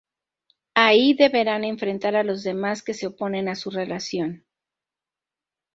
Ahí deberán enfrentar a los demás que se oponen a su relación.